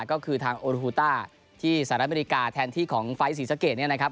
ก็คือทางโอรุฮูตาที่สหรัฐอเมริกาแทนที่ของไฟล์ท๒๔สเกตนะครับ